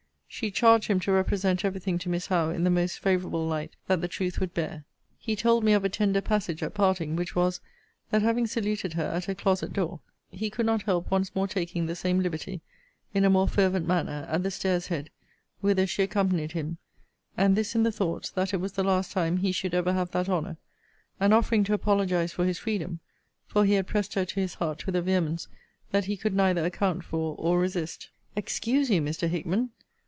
She charged him to represent every thing to Miss Howe in the most favourable light that the truth would bear. He told me of a tender passage at parting; which was, that having saluted her at her closet door, he could not help once more taking the same liberty, in a more fervent manner, at the stairs head, whither she accompanied him; and this in the thought, that it was the last time he should ever have that honour; and offering to apologize for his freedom (for he had pressed her to his heart with a vehemence, that he could neither account for or resist) 'Excuse you, Mr. Hickman!